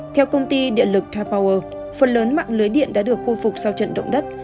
theo công ty địa lực taipower phần lớn mạng lưới điện đã được khôi phục sau trận động đất